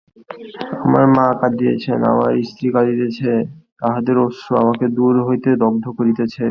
আমার মা কাঁদিতেছেন, আমার স্ত্রী কাঁদিতেছে–তাঁহাদের অশ্রু আমাকে দূর হইতে দগ্ধ করিতেছে।